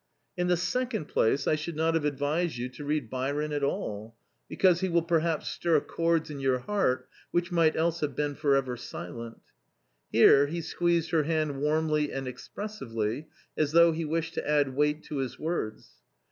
In the second place, I should not have advised you to read Byron at all, because he will perhaps stir chords in your heart which might else have been for ever silent" Here he squeezed her hand warmly and expressively, as though he wished to add weight to his words.